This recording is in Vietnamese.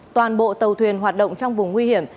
toàn bộ tàu thuyền hoạt động trong vùng nguy hiểm